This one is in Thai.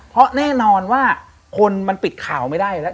เพราะแน่นอนว่าคนมันปิดข่าวไม่ได้แล้ว